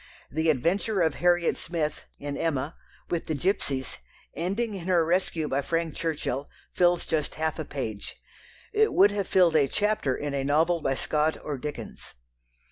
The adventure of Harriet Smith (in Emma) with the gipsies, ending in her rescue by Frank Churchill, fills just half a page. It would have filled a chapter in a novel by Scott or Dickens.